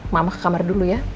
mama ke kamar dulu ya